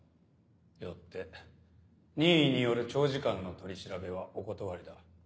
よって任意による長時間の取り調べはお断りだ。